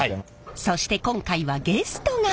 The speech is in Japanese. そして今回はゲストが！